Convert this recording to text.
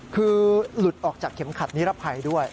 คือหลุดออกจากเข็มขัดนิรภัยด้วย